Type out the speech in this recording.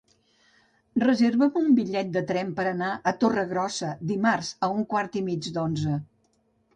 Reserva'm un bitllet de tren per anar a Torregrossa dimarts a un quart i mig d'onze.